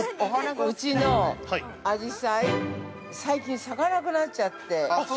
うちのアジサイ、最近、咲かなくなっちゃって。